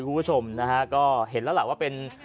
คุณผู้ชมนะฮะก็เห็นแล้วล่ะว่าเป็น